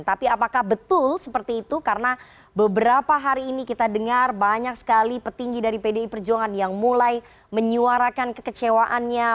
tapi apakah betul seperti itu karena beberapa hari ini kita dengar banyak sekali petinggi dari pdi perjuangan yang mulai menyuarakan kekecewaannya